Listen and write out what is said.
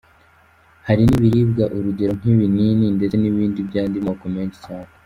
Hari n’ibiribwa urugero nk’ibinini ndetse n’ibindi by’andi moko menshi cyane.